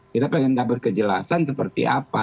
kita ingin mendapat kejelasan seperti apa